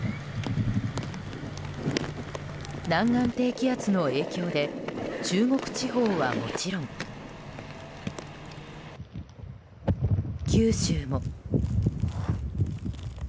南岸低気圧の影響で中国地方はもちろん九州も。